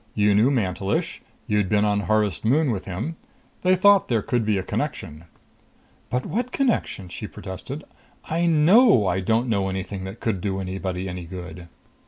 You knew Mantelish. You'd been on Harvest Moon with him. They thought there could be a connection." "But what connection?" she protested. "I know I don't know anything that could do anybody any good!"